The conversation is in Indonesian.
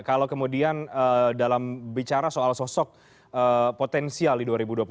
kalau kemudian dalam bicara soal sosok potensial di dua ribu dua puluh